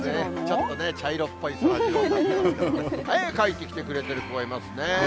ちょっとね、茶色っぽいそらジローになってますけど、絵、描いてきてくれてる子もいますね。